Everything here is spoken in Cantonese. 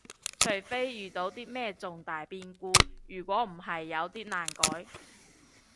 除非遇到啲咩重大變故，如果唔係有啲難改